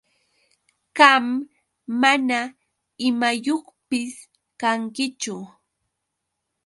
Qam mana imayuqpis kankichu.